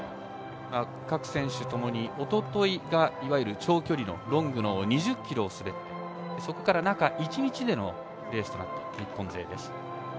各選手ともに、おとといいわゆる長距離、ロングの２０ｋｍを滑ってそこから中１日でのレースとなった日本勢です。